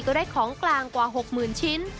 ได้ของกลางกว่า๖๐๐๐ชิ้น